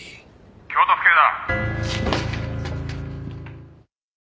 「京都府警だ」